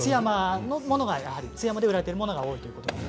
津山で売られているものが多いということです。